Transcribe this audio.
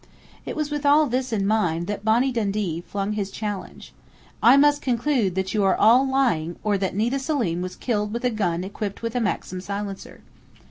It was with all this in mind that Bonnie Dundee flung his challenge: "I must conclude that you are all lying or that Nita Selim was killed with a gun equipped with a Maxim silencer."